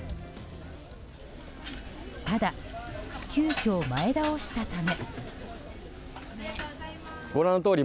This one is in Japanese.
ただ、急きょ前倒したため。